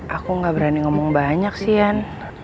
aku nggak berani ngomong banyak sih yan